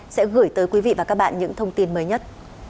sẽ gửi tới quý vị và các bạn những thông tin mới nhất